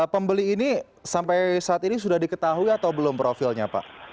pembeli ini sampai saat ini sudah diketahui atau belum profilnya pak